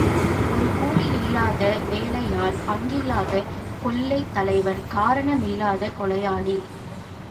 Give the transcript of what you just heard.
நீ கூலியில்லாத வேலையாள் பங்கில்லாத கொள்ளைத் தலைவன் காரண மில்லாத கொலையாளி.